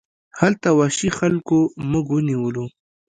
هلته وحشي خلکو موږ ونیولو.